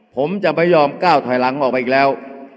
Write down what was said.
ผมจะไม่ยอมก้าวถอยหลังออกไปอีกแล้ว